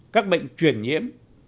các bệnh truyền nhiễm